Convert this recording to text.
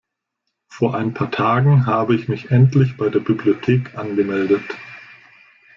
Vor ein paar Tagen habe ich mich endlich bei der Bibliothek angemeldet.